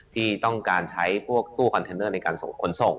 ที่ต้องการใช้ตู้ที่ควรในการขนส่ง